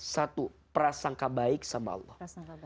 satu prasangka baik sama allah